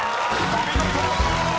［お見事！］